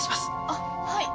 あっはい。